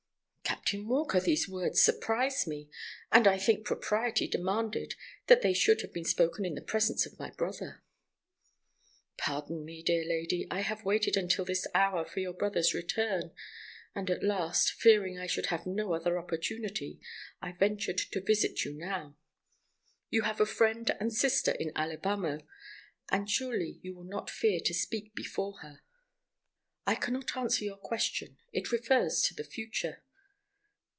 "Captain Walker, these words surprise me, and I think propriety demanded that they should have been spoken in the presence of my brother." "Pardon me, dear lady. I have waited until this hour for your brother's return, and at last, fearing I should have no other opportunity, I ventured to visit you now. You have a friend and sister in Alibamo, and surely you will not fear to speak before her." "I can not answer your question—it refers to the future."